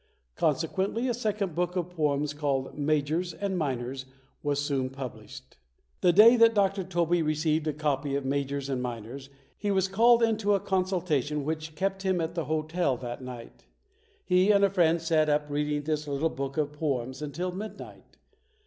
Consequently, a second book of poems called "Majors and Minors" was soon published. The day that Dr. Tobey received a copy of "Majors and Minors" he was called into a consul tation which kept him at a hotel that night. He and a friend sat up reading this little book of poems until midnight.